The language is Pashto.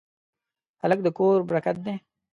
هلک د کور برکت دی.